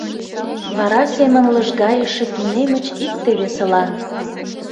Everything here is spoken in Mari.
Вара семын лыжгайыше Тунемыч икте-весылан.